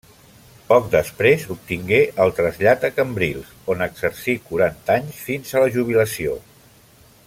Poc després, obtingué el trasllat a Cambrils, on exercí quaranta anys fins a la jubilació.